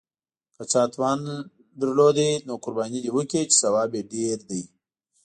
که چا توان لاره نو قرباني دې وکړي، چې ثواب یې ډېر دی.